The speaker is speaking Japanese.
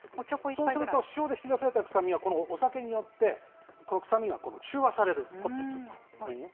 そうすると、塩で引き出された臭みがお酒によって臭みが中和される。